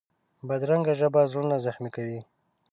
بدرنګه ژبه زړونه زخمي کوي